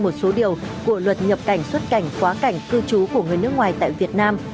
một số điều của luật nhập cảnh xuất cảnh quá cảnh cư trú của người nước ngoài tại việt nam